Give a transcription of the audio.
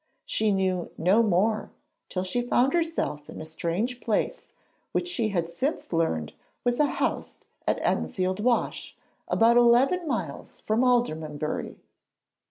She knew no more till she found herself in a strange place which she had since learned was a house at Enfield Wash, about eleven miles from Aldermanbury.